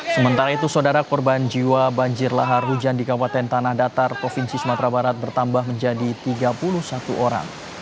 sementara itu saudara korban jiwa banjir lahar hujan di kabupaten tanah datar provinsi sumatera barat bertambah menjadi tiga puluh satu orang